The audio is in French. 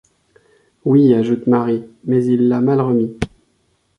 Oui, ajoute Marie, mais il l’a mal remis.